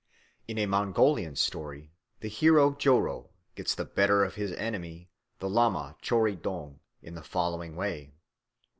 In a Mongolian story the hero Joro gets the better of his enemy the lama Tschoridong in the following way.